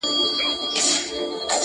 لمرینو وړانګو ته به نه ځلیږي-